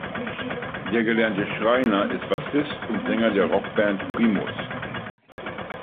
Der gelernte Schreiner ist Bassist und Sänger der Rockband Primus.